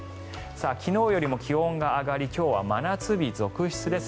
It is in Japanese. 昨日よりも気温が上がり今日は真夏日続出です。